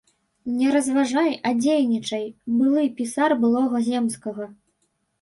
Не разважай, а дзейнічай, былы пісар былога земскага!